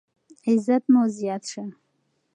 عزت مو زیات شه.